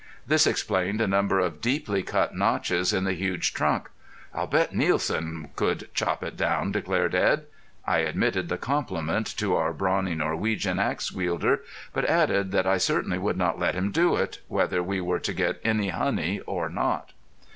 This explained a number of deeply cut notches in the huge trunk. "I'll bet Nielsen could chop it down," declared Edd. I admitted the compliment to our brawny Norwegian axe wielder, but added that I certainly would not let him do it, whether we were to get any honey or not.